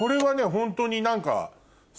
ホントに何か。